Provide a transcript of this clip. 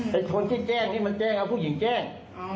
แต่คนที่แจ้งนี่มันแจ้งเอาผู้หญิงแจ้ง